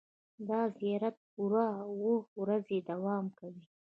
دا زیارت پوره اوه ورځې دوام کوي.